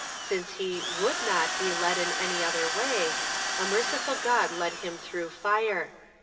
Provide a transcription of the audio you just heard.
Since he u'ouUl not be led in any other way, a merciful God led liim through lire.